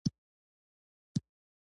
سمدستي به یې ستاینه وکړه.